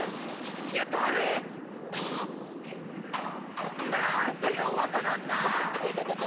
あれ⁉なんかようわからんな。